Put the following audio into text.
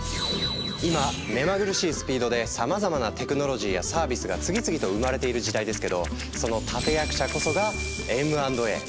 今目まぐるしいスピードでさまざまなテクノロジーやサービスが次々と生まれている時代ですけどその立て役者こそがＭ＆Ａ！